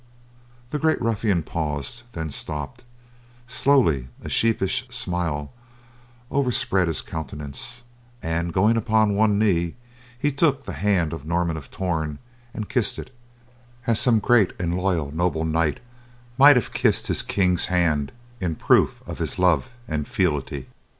The great ruffian paused, then stopped, slowly a sheepish smile overspread his countenance and, going upon one knee, he took the hand of Norman of Torn and kissed it, as some great and loyal noble knight might have kissed his king's hand in proof of his love and fealty.